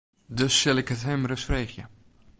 Dus sil ik it him ris freegje.